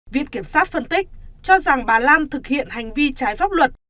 viện kiểm sát phân tích cho rằng bà lan thực hiện hành vi trái pháp luật